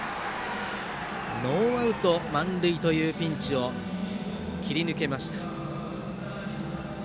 ノーアウト満塁というピンチを切り抜けました。